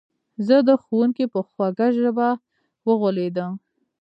زه د ښوونکي په خوږه ژبه وغولېدم.